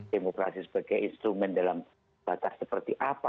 demokrasi sebagai instrumen dalam batas seperti apa